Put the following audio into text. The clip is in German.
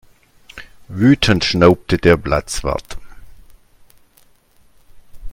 Wütend schnaubte der Platzwart.